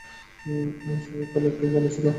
সবে কাল একটু ভালো ছিলে।